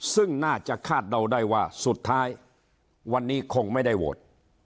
ซึ่งน่าจะคาดเดาได้ว่าสุดท้ายวันนี้คงไม่ได้โหวต